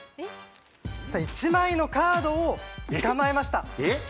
１枚のカードを捕まえました